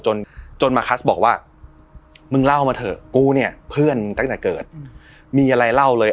จนจนมาคัสบอกว่ามึงเล่ามาเถอะกูเนี่ยเพื่อนตั้งแต่เกิดมีอะไรเล่าเลย